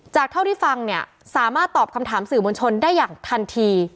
เท่าที่ฟังเนี่ยสามารถตอบคำถามสื่อมวลชนได้อย่างทันที